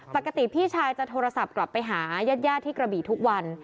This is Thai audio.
พี่ชายจะโทรศัพท์กลับไปหายาดที่กระบี่ทุกวัน